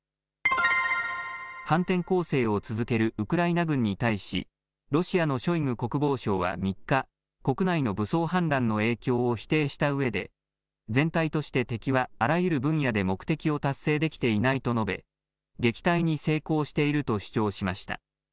反転攻勢を続けるウクライナ軍に対しロシアのショイグ国防相は３日、国内の武装反乱の影響を否定したうえで全体として敵はあらゆる分野で目的を達成できていないと述べ、撃退に成功していると主張しました。